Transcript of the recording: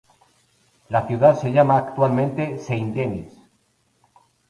La ciudad se llama actualmente Saint-Denis.